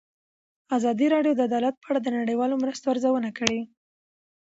ازادي راډیو د عدالت په اړه د نړیوالو مرستو ارزونه کړې.